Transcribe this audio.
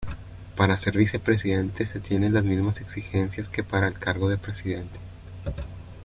Para ser vicepresidente se tienen las mismas exigencias que para el cargo de presidente.